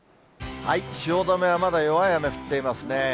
汐留はまだ弱い雨降っていますね。